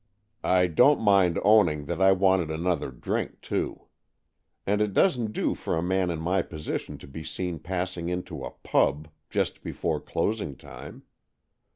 I don't mind owning that I wanted another drink too. And it doesn't do for a man in my position to be seen passing into a ' pub ' just before closing time.